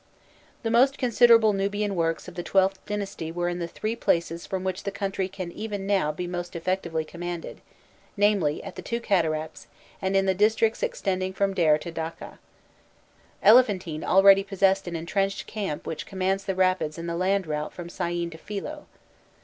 The most considerable Nubian works of the XIIth dynasty were in the three places from which the country can even now be most effectively commanded, namely, at the two cataracts, and in the districts extending from Derr to Dakkeh. Elephantine already possessed an entrenched camp which commanded the rapids and the land route from Syene to Philo.